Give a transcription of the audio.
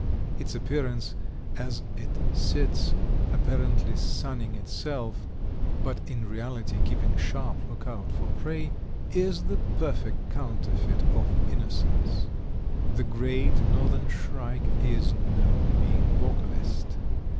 Its appearance as it sits apparently sunning itself, but in reality keeping sharp lookout for prey, is the perfect counterfeit of innocence. The Great Northern Shrike is no mean vocalist.